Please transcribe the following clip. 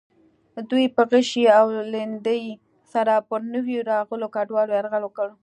دوی په غشي او لیندۍ سره پر نویو راغلو کډوالو یرغل وکړ.